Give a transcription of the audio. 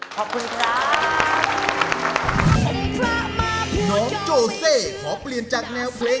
ขอบคุณครับ